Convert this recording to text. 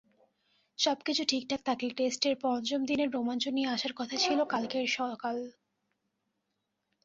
সবকিছু ঠিকঠাক থাকলে টেস্টের পঞ্চম দিনের রোমাঞ্চ নিয়ে আসার কথা ছিল কালকের সকাল।